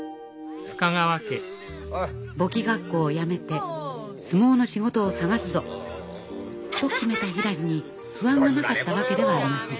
簿記学校をやめて相撲の仕事を探すぞ！と決めたひらりに不安がなかったわけではありません。